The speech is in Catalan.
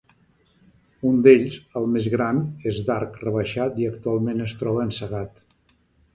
Un d'ells, el més gran, és d'arc rebaixat i actualment es troba encegat.